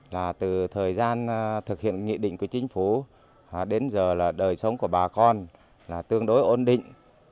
là từ thời gian thực hiện nghị định của chính phủ đến giờ là đời sống của bà con là tương đối ổn định